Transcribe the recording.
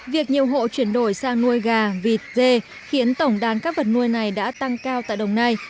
việc nhiều hộ chuyển đổi sang nuôi gà vịt dê khiến tổng đàn các vật nuôi này đã tăng cao tại đồng nai